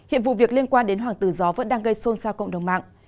hiện vụ việc liên quan đến hoàng tử gió vẫn đang gây xôn xa cộng đồng mạng